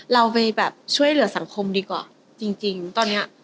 เราไปแบบช่วยเหลือสังคมดีกว่าจริงตอนเนี้ย